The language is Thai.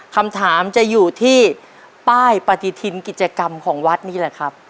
คำถามจะอยู่ที่ป้ายปฏิทินกิจกรรมของวัดนี่แหละครับ